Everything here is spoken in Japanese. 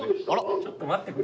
ちょっと待ってくれ。